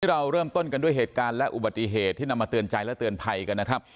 เราเริ่มต้นกันด้วยเหตุการณ์และอุบัติเหตุที่นำมาเตือนใจและเตือนภัยกันนะครับ